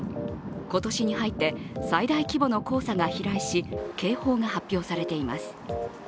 今年に入って最大規模の黄砂が飛来し、警報が発表されています。